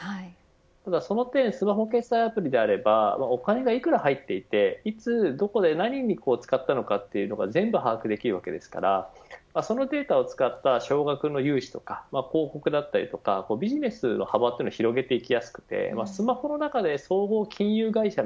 ただその点スマホ決済アプリであればお金が幾ら入っていていつどこで何に使ったのかというのを全部把握できるわけですからそのデータを使った少額の融資とか広告だったりビジネスの幅を広げていきやすくてスマホの中で総合金融会社